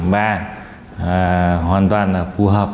và hoàn toàn là phù hợp